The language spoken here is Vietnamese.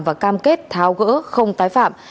và cam kết tháo gỡ không tái phạm